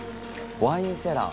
ワインセラー。